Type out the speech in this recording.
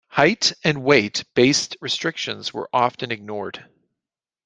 Height- and weight-based restrictions were often ignored.